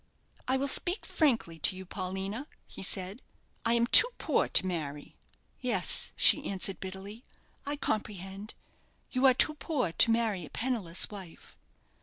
"I will speak frankly to you, Paulina," he said. "I am too poor to marry." "Yes," she answered, bitterly; "I comprehend. You are too poor to marry a penniless wife."